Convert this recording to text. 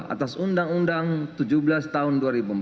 atas undang undang tujuh belas tahun dua ribu empat belas